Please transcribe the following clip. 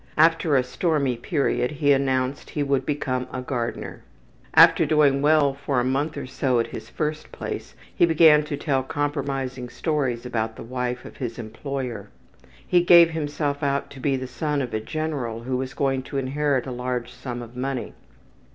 After a stormy period he announced he would become a gardener. After doing well for a month or so at his first place he began to tell compromising stories about the wife of his employer. He gave himself out to be the son of a general who was going to inherit a large sum of money.